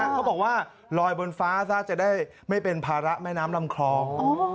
เขาบอกว่าลอยบนฟ้าซะจะได้ไม่เป็นภาระแม่น้ำลำคลอง